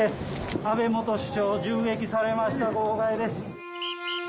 安倍首相銃撃されました号外です。